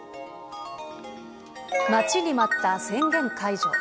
待ちに待った宣言解除。